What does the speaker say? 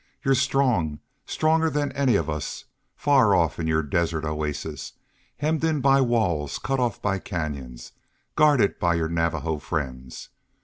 You're strong, stronger than any of us, far off in your desert oasis, hemmed in by walls, cut off by canyons, guarded by your Navajo friends.